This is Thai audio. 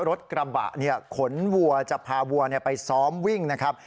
รถกระบะขนวัวจะพาวัวไปซ้อมวิ่งนะครับ